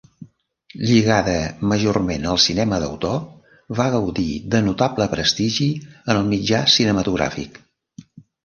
Lligada majorment al cinema d'autor, va gaudir de notable prestigi en el mitjà cinematogràfic.